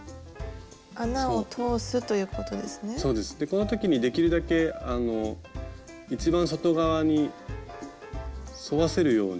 この時にできるだけあの一番外側に沿わせるように留めつけて。